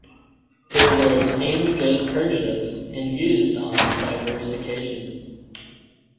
They were esteemed good purgatives, and used on diverse occasions.